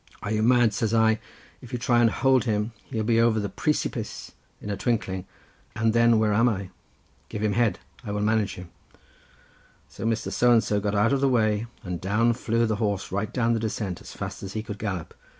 "'Are you mad?' says I, 'if you try to hold him he'll be over the pree si pice in a twinkling, and then where am I? Give him head; I can manage him.' "So Mr. So and so got out of the way, and down flew the horse right down the descent, as fast as he could gallop.